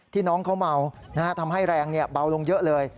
น้องเขาเมาทำให้แรงเบาลงเยอะเลย